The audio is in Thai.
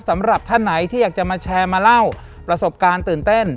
สำหรับท่านไหนที่อยากจะมาแชร์มาเล่าประสบการณ์ตื่นเต้น